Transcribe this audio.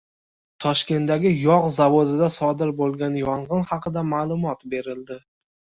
Toshkentdagi yog‘ zavodida sodir bo‘lgan yong‘in haqida ma’lumot berildi